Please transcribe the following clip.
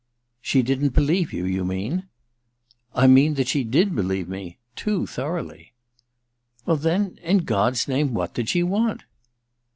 *She didn't believe you, you mean ?'^ I mean that she did believe me : too thoroughly/ * Well, then — in God's name, what did she want